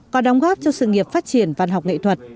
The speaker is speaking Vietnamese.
có đóng góp cho sự nghiệp phát triển văn học nghệ thuật